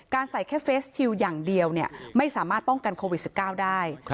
ใส่แค่เฟสชิลอย่างเดียวไม่สามารถป้องกันโควิด๑๙ได้